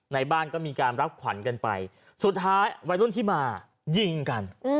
ในบ้านก็มีการรับขวัญกันไปสุดท้ายวัยรุ่นที่มายิงกัน